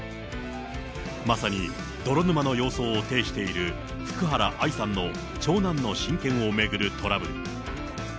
まさに泥沼の様相を呈している福原愛さんの長男の親権を巡るトラブル。